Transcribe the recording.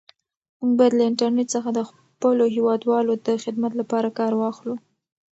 موږ باید له انټرنیټ څخه د خپلو هیوادوالو د خدمت لپاره کار واخلو.